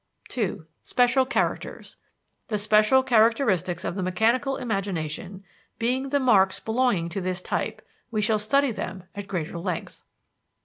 2. Special Characters The special characteristics of the mechanical imagination being the marks belonging to this type, we shall study them at greater length.